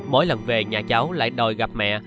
mỗi lần về nhà cháu lại đòi gặp mẹ